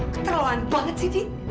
keterlaluan banget sih di